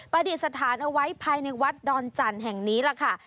ดิษฐานเอาไว้ภายในวัดดอนจันทร์แห่งนี้ล่ะค่ะ